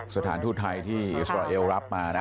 สถานทูตไทยที่อิสราเอลรับมานะ